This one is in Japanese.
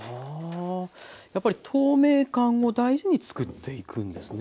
やっぱり透明感を大事につくっていくんですね。